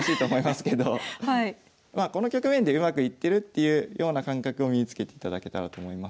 この局面でうまくいってるっていうような感覚を身につけていただけたらと思います。